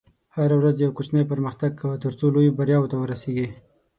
هره ورځ یو کوچنی پرمختګ کوه، ترڅو لویو بریاوو ته ورسېږې.